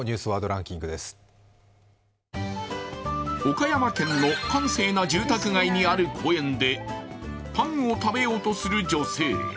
岡山県の閑静な住宅街にある公園でパンを食べようとする女性。